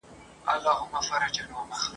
تراوسه ئې تاریخ ورک نه دئ.